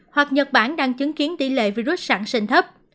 hoặc nhật bản đang chứng kiến tỷ lệ virus sẵn sinh thấp